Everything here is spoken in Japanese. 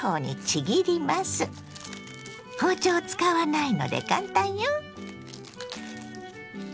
包丁を使わないので簡単よ。